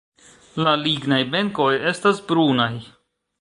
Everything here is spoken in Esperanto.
La lignaj benkoj estas brunaj.